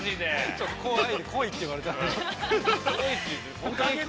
◆ちょっと怖い来いって言われたんで。